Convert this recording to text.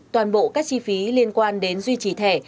toàn bộ các chi phí liên quan đến duy trì thẻ